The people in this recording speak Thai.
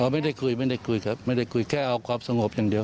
ไม่ได้คุยไม่ได้คุยครับไม่ได้คุยแค่เอาความสงบอย่างเดียว